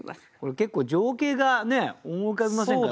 結構情景が思い浮かびませんか？